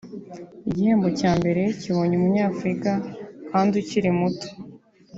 igihembo cya mbere kibonye Umunyafurika kandi ukiri muto